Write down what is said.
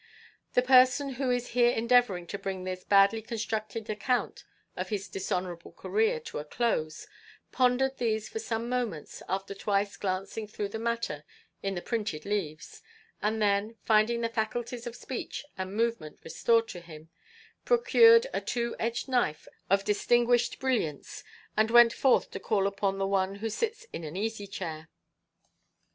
The person who is here endeavouring to bring this badly constructed account of his dishonourable career to a close pondered these for some moments after twice glancing through the matter in the printed leaves, and then, finding the faculties of speech and movement restored to him, procured a two edged knife of distinguished brilliance and went forth to call upon the one who sits in an easy chair.